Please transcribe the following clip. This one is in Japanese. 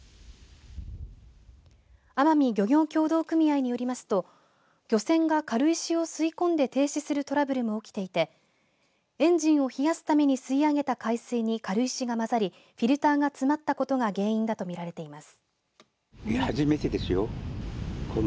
奄美漁業協同組合によりますと漁船が軽石を吸い込んで停止するトラブルも起きていてエンジンを冷やすために吸い上げた海水に軽石が混ざりフィルターが詰まったことが原因だとみられています。